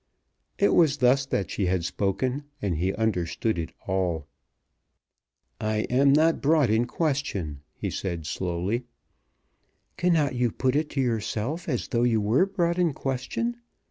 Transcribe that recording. It was thus that she had spoken, and he understood it all. "I am not brought in question," he said slowly. "Cannot you put it to yourself as though you were brought in question?